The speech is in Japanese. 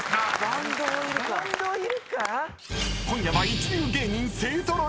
［今夜は一流芸人勢揃い］